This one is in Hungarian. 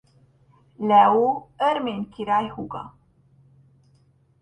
Leó örmény király húga.